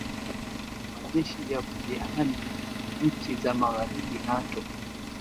majeshi ya kujihami ya nchi za magharibi nato